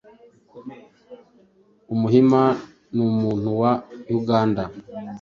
Umuhima numuntu wa uganda